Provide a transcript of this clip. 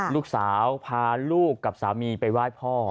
ลูกสาวพาลูกกับสามีไปไหว้พ่อ